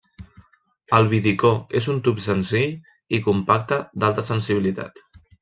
El vidicó és un tub senzill i compacte d'alta sensibilitat.